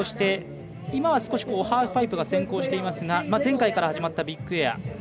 今は少しハーフパイプが先行していますが前回から始まったビッグエア